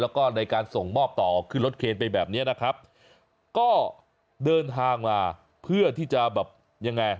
แล้วก็ในการส่งมอบต่อขึ้นรถเคนไปแบบเนี้ยนะครับก็เดินทางมาเพื่อที่จะแบบยังไง